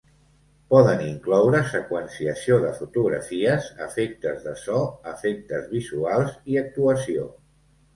Poden incloure seqüenciació de fotografies, efectes de so, efectes visuals i actuació.